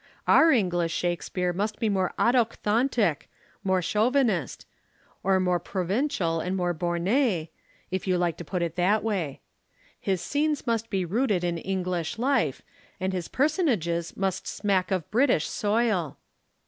Our English Shakespeare must be more autochthonic, more chauviniste; or more provincial and more borné, if you like to put it that way. His scenes must be rooted in English life, and his personages must smack of British soil."